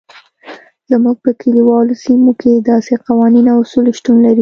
زموږ په کلیوالو سیمو کې داسې قوانین او اصول شتون لري.